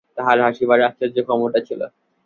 তাঁহার হাসিবার আশ্চর্য ক্ষমতা ছিল।